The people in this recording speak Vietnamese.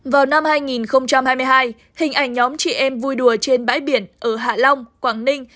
vào năm hai nghìn hai mươi hai hình ảnh nhóm chị em vui đùa trên bãi biển ở hạ long quảng ninh